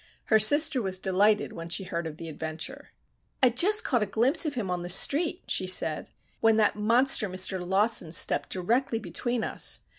Her sister was delighted when she heard of the adventure. "I just caught a glimpse of him on the street," she said, "when that monster, Mr. Lawson, stepped directly between us.